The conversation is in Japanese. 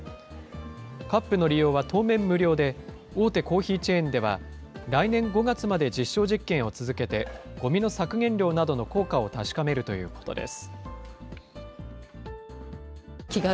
カップの利用は当面無料で、大手コーヒーチェーンでは、来年５月まで実証実験を続けて、ごみの削減量などの効果を確かめるということです。